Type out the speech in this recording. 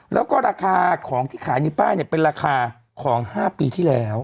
แล้วก็ราคาของที่ขายในป้ายเป็นราคาของ๕ปีที่แล้ว